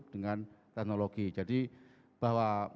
dengan teknologi jadi bahwa